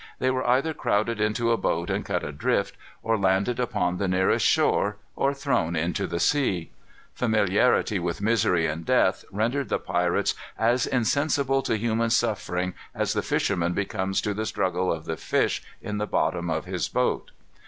They were either crowded into a boat and cut adrift, or landed upon the nearest shore, or thrown into the sea. Familiarity with misery and death rendered the pirates as insensible to human suffering as the fisherman becomes to the struggles of the fish in the bottom of his boat.